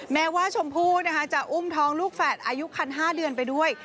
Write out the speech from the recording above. แม้ว่าชมพู่จะอุ้มท้องลูกแฝดอายุคัน๕เดือนไปด้วย